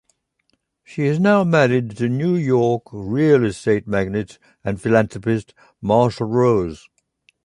She is now married to New York real estate magnate and philanthropist Marshall Rose.